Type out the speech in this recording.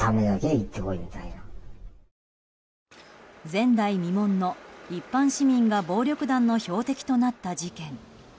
前代未聞の一般市民が暴力団の標的となった事件。